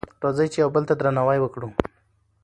راځئ چې یو بل ته درناوی وکړو.